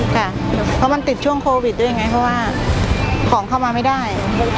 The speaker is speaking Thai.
ค่ะเพราะมันติดช่วงโควิดด้วยยังไงเพราะว่าของเข้ามาไม่ได้